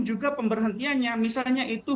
juga pemberhentiannya misalnya itu